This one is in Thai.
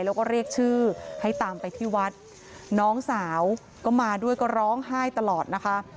แล้วก็เรียกชื่อให้ตามไปที่วัดน้องสาวก็มาด้วยก็ร้องไห้ตลอดนะคะ